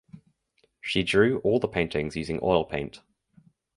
She drew all the paintings using oil paint.